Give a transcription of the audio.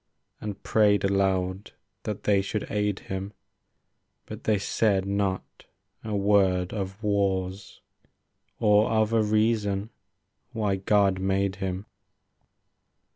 And prayed aloud that they should aid him ; But they said not a word of wars. Or of a reason why God made him.